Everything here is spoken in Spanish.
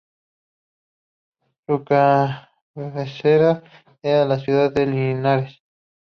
Su cabecera era la ciudad de Linares.